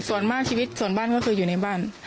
ส่วนมากชีวิตส่วนบ้านก็คืออยู่ในบ้าน